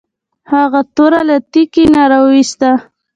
هغه توره له تیکي نه راویوسته.